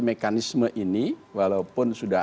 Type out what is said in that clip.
mekanisme ini walaupun sudah